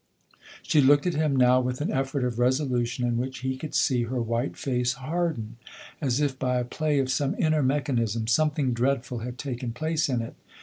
She looked at him now with an effort of resolu tion in which he could see her white face harden ; as if by a play of some inner mechanism some thing dreadful had taken place in it.